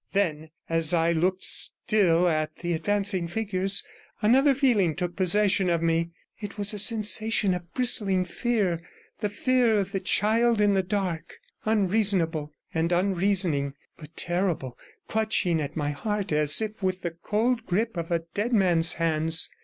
Then as I looked still at the advancing figures, another feeling took possession of me; it was a sensation of bristling fear, the fear of the child in the dark, unreasonable and unreasoning, but terrible, clutching at my heart as with the cold grip of a dead man's hands.